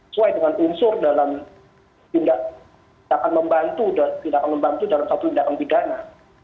sesuai dengan unsur dalam tindakan membantu tindakan membantu dalam satu tindakan pidana